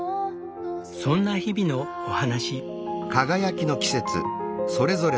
そんな日々のお話。